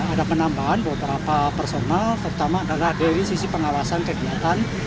ada penambahan beberapa personal terutama adalah dari sisi pengawasan kegiatan